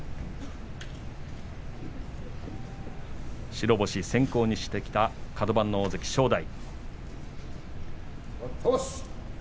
白星先行にしてきたカド番の大関正代。